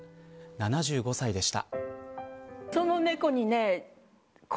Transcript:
７５歳でした。